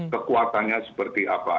kekuatannya seperti apa